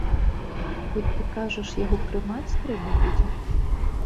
Хоць ты кажаш, яго прымаць трэба будзе?